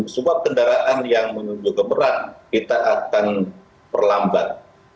sebab kendaraan yang menuju ke berat kita akan perlambat